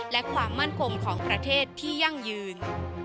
และความมั่นคงของประเทศที่ยั่งยืน